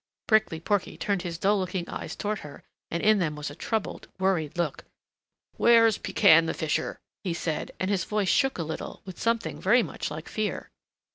Prickly Porky turned his dull looking eyes towards her, and in them was a troubled, worried look. "Where's Pekan the Fisher?" he asked, and his voice shook a little with something very much like fear.